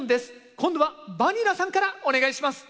今度はバニラさんからお願いします。